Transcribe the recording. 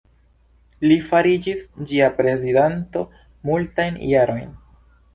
Li fariĝis ĝia prezidanto multajn jarojn.